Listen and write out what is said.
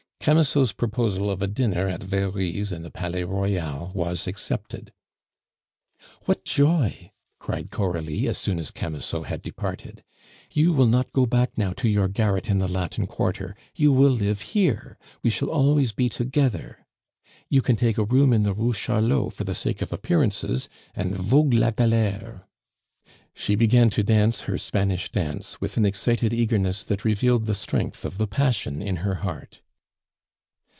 Camusot's proposal of a dinner at Very's in the Palais Royal was accepted. "What joy!" cried Coralie, as soon as Camusot had departed. "You will not go back now to your garret in the Latin Quarter; you will live here. We shall always be together. You can take a room in the Rue Charlot for the sake of appearances, and vogue le galere!" She began to dance her Spanish dance, with an excited eagerness that revealed the strength of the passion in her heart.